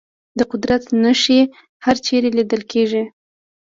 د قدرت نښې هرچېرې لیدل کېږي.